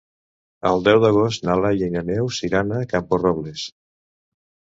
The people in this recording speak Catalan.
El deu d'agost na Laia i na Neus iran a Camporrobles.